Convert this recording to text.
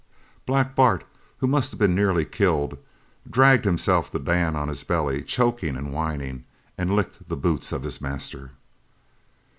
Black Bart, who must have been nearly killed, dragged himself to Dan on his belly, choking and whining, and licked the boots of his master!"